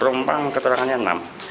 penumpang keterangannya enam